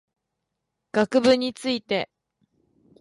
学部について